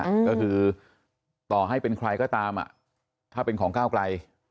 อืมก็คือต่อให้เป็นใครก็ตามอ่ะถ้าเป็นของก้าวไกล